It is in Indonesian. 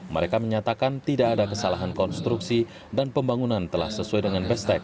mereka menyatakan tidak ada kesalahan konstruksi dan pembangunan telah sesuai dengan bestek